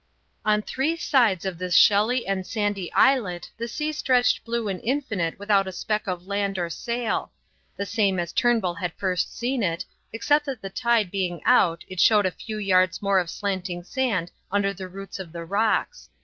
On three sides of this shelly and sandy islet the sea stretched blue and infinite without a speck of land or sail; the same as Turnbull had first seen it, except that the tide being out it showed a few yards more of slanting sand under the roots of the rocks.